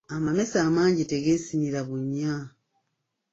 Amamese amangi tegeesimira bunnya.